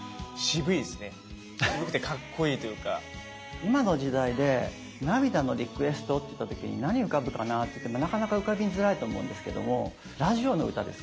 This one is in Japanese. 今の時代で涙のリクエストっていった時に何浮かぶかなっていってなかなか浮かびづらいと思うんですけどもラジオの歌です